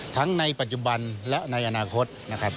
ทั้งในปัจจุบันและในอนาคต